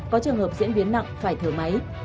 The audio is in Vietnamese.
có trường hợp diễn biến nặng phải thở máy